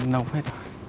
nâu hết rồi